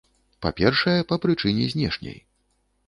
Па-першае, па прычыне знешняй.